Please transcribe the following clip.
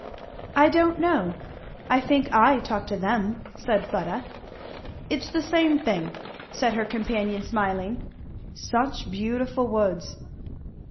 "I don't know I think I talk to them," said Fleda. "It's the same thing," said her companion smiling. "Such beautiful woods!"